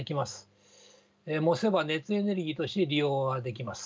燃せば熱エネルギーとして利用ができます。